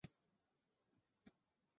司令部设在德州的胡德堡。